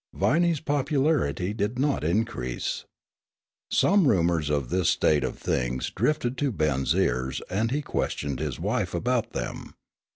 Viney's popularity did not increase. Some rumors of this state of things drifted to Ben's ears and he questioned his wife about them.